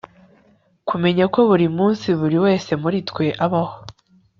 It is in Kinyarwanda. kumenya ko burimunsi buri wese muri twe abaho